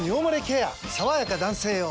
さわやか男性用」